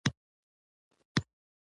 ډيپلومات د هېواد د موقف دفاع کوي.